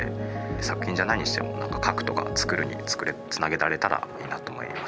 作品じゃないにしても書くとか作るにつなげられたらいいなと思いましたね。